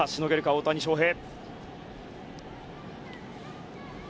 大谷翔平。